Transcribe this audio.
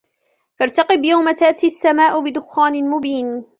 فارتقب يوم تأتي السماء بدخان مبين